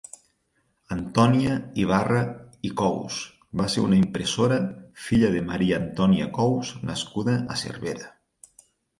Antònia Ibarra i Cous va ser una impressora, filla de María Antonia Cous nascuda a Cervera.